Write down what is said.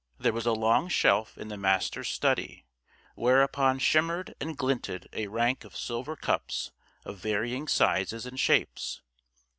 There was a long shelf in the Master's study whereupon shimmered and glinted a rank of silver cups of varying sizes and shapes.